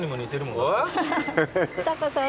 タカさん